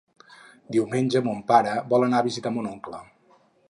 Diumenge mon pare vol anar a visitar mon oncle.